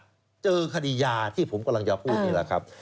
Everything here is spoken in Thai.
ข้อ๕เจอคดียาที่ผมกำลังจะพูดเลยเหรอครับ